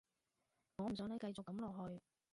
我唔想你繼續噉落去